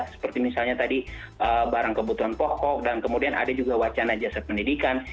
seperti misalnya tadi barang kebutuhan pokok dan kemudian ada juga wacana jasad pendidikan